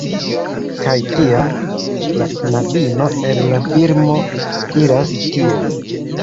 Kaj tiam, la knabino el la filmo iras tiel: